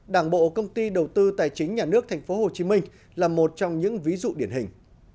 đầu tư tài chính nhà nước tp hcm là một trong những ví dụ điển hình